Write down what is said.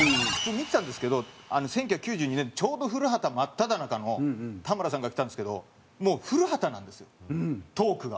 見てたんですけど１９９２年のちょうど『古畑』真っただ中の田村さんが来たんですけどもう古畑なんですよトークが。